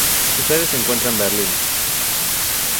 Su sede se encuentra en Berlín.